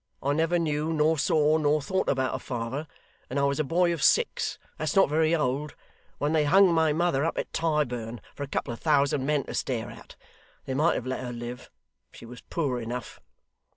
I never knew, nor saw, nor thought about a father; and I was a boy of six that's not very old when they hung my mother up at Tyburn for a couple of thousand men to stare at. They might have let her live. She was poor enough.